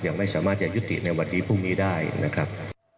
ยังไม่สามารถจะยุติในวันนี้พรุ่งนี้ได้นะครับ